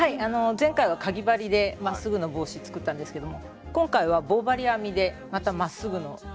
前回はかぎ針でまっすぐの帽子作ったんですけども今回は棒針編みでまたまっすぐのものを作ってきました。